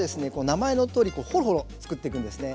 名前のとおりホロホロ作っていくんですね。